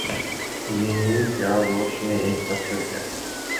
یہ نور کے آغوش میں ایک سفر ہے۔